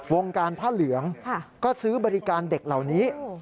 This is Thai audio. วงการผ้าเหลืองก็ซื้อบริการเด็กเหล่านี้